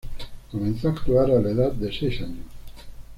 Comenzó a actuar a la edad de seis años.